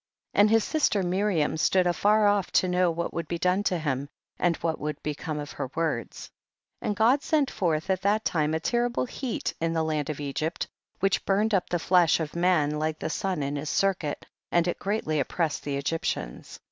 14. And his sister Miriam stood afar off to know what would be done to him, and what would become of her words * 15. And God sent forth at that time a terrible heat in the land of Egypt, which burned up the flesh of man like the sun in his circuit, and it greatly oppressed the Egyptians.